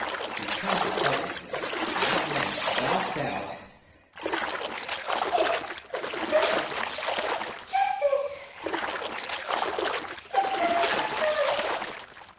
He panted helplessly, and at length gasped out : "It is but justice ! It is Trancastro